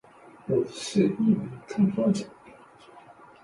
我是一名开发者